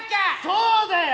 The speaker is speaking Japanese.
そうだよ